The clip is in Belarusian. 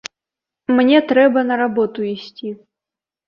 Мне трэба на работу ісці.